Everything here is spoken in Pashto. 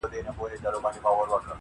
چي کورونا دی که کورونا ده-